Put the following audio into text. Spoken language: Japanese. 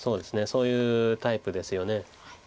そういうタイプですよね。